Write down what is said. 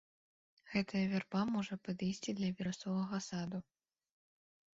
Гэтая вярба можа падысці для верасовага саду.